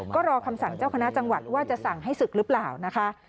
ก็รอคำสั่งเจ้าคณะจังหวัดว่าจะสั่งให้ศึกหรือเปล่านะคะ